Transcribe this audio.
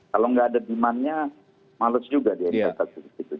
kalau nggak ada demandnya males juga di investasi